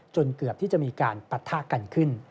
เกือบที่จะมีการปะทะกันขึ้น